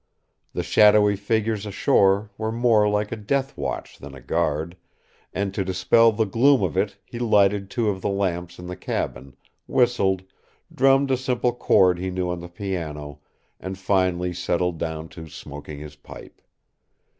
The shadowy figures ashore were more like a death watch than a guard, and to dispel the gloom of it he lighted two of the lamps in the cabin, whistled, drummed a simple chord he knew on the piano, and finally settled down to smoking his pipe.